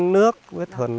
cầu xin nước với thần nước